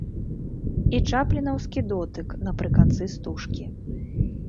І чаплінаўскі дотык напрыканцы стужкі.